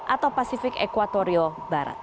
atau pasifik equatorio barat